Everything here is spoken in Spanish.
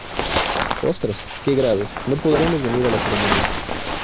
Ostras, qué grave, no podremos venir a la ceremonia.